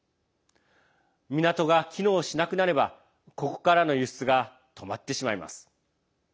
港が機能しなくなればここからの輸出が止まってしまいます。